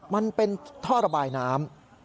มันเป็นท่อระบายน้ำ